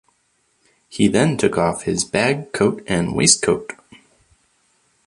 He then took off his bag, coat, and waistcoat.